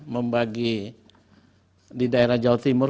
membagi di daerah jawa timur